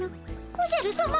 おじゃるさま。